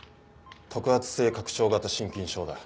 特発性拡張型心筋症だ。